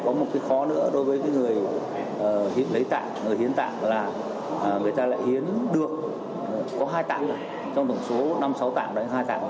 người ta lại hiến được có hai tạng trong tổng số năm sáu tạng là hai tạng thôi